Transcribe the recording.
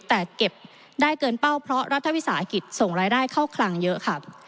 แต่เก็บได้เกินเป้าเพราะรัฐวิสาหกิจส่งรายได้เข้าคลังเยอะค่ะ